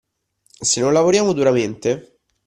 Se non lavoriamo duramente.